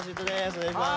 お願いします。